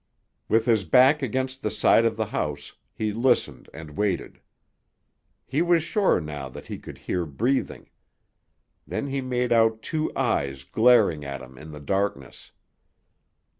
With his back against the side of the house, he listened and waited. He was sure now that he could hear breathing. Then he made out two eyes glaring at him in the darkness.